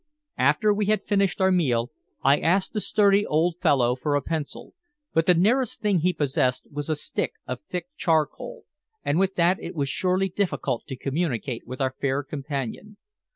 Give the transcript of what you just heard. After we had finished our meal, I asked the sturdy old fellow for a pencil, but the nearest thing he possessed was a stick of thick charcoal, and with that it was surely difficult to communicate with our fair companion.